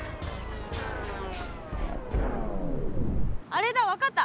あれだ分かった。